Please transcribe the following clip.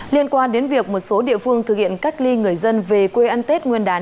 liên quan đến việc một số địa phương thực hiện cách ly người dân về quê ăn tết nguyên đán